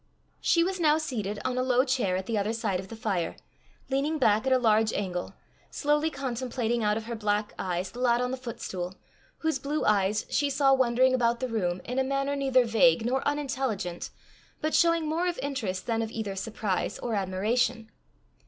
She was now seated on a low chair at the other side of the fire, leaning back at a large angle, slowly contemplating out of her black eyes the lad on the footstool, whose blue eyes she saw wandering about the room, in a manner neither vague nor unintelligent, but showing more of interest than of either surprise or admiration.